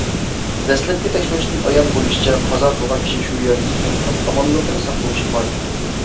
دەسلەپكى تەكشۈرۈشىدىن ئايان بولۇشىچە قازا قىلغان كىشى شۇ يەردىكى كەنتنىڭ ئامانلىقنى ساقلىغۇچى خادىمى ئىكەن.